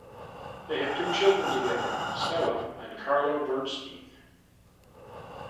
They have two children together, Stella and Carlo Bernstein.